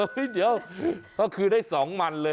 เฮ้ยเดี๋ยวเพราะคือได้๒มันเลย